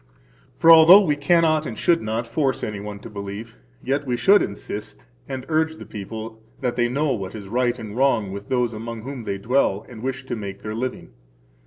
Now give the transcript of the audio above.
For although we cannot and should not force any one to believe, yet we should insist and urge the people that they know what is right and wrong with those among whom they dwell and wish to make their living.